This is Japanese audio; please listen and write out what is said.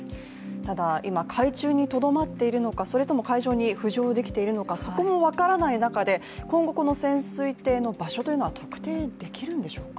ただ、今、海中にとどまっているのか、それとも海上に浮上できているのかそこも分からない中で、今後この潜水艇の場所というのは特定できるんでしょうか？